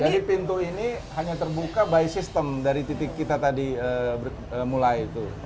jadi pintu ini hanya terbuka by system dari titik kita tadi mulai itu